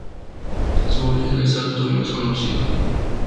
Su origen exacto no es conocido.